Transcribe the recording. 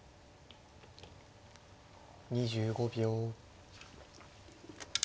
２５秒。